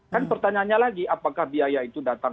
kan pertanyaannya lagi apakah biaya itu datang